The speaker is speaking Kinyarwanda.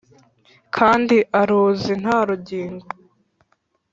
kandi aruzi nta rugingo! …